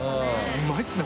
うまいですね！